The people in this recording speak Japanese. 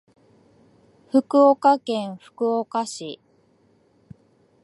福岡県福岡市